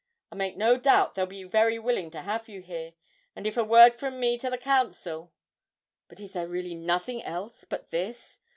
I make no doubt they'll be very willing to have you here, and if a word from me to the Council but is there really nothing else but this?